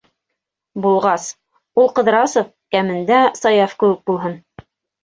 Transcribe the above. Булғас, ул Ҡыҙрасов... кәмендә Саяф кеүек булһын.